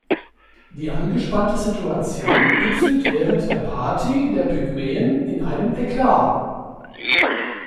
Die angespannte Situation gipfelt während der Party der Pygmäen in einem Eklat.